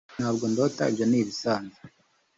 ntabwo ndota. ibyo ni ibisanzwe